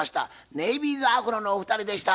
ネイビーズアフロのお二人でした。